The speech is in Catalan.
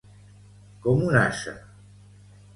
Com un ase.